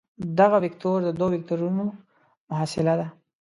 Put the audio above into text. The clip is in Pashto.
دغه وکتور د دوو وکتورونو محصله ده.